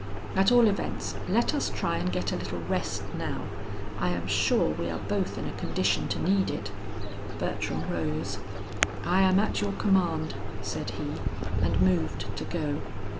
At all events let us try and get a little rest now; I am sure we are both in a condition to need it." Bertram rose. "I am at your command," said he, and moved to go.